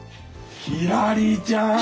ひらりちゃん！